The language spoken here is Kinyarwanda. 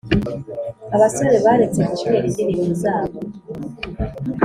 abasore baretse gutera indirimbo zabo.